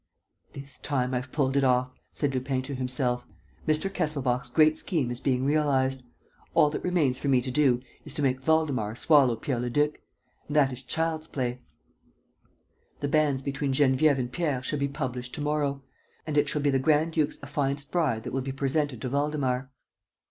"This time, I've pulled it off," said Lupin to himself. "Mr. Kesselbach's great scheme is being realized. All that remains for me to do is to make Waldemar swallow Pierre Leduc; and that is child's play. The banns between Geneviève and Pierre shall be published to morrow. And it shall be the grand duke's affianced bride that will be presented to Waldemar."